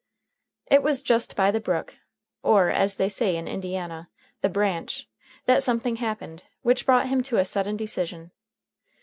It was just by the brook, or, as they say in Indiana, the "branch," that something happened which brought him to a sudden decision.